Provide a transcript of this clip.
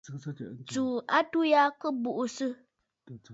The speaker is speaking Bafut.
Tsuu atû ya kɨ buʼusə.